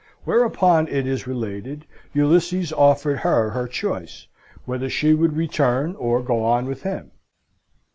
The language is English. Whereupon, it is related, Ulysses offered her her choice, whether she would return, or go on with him?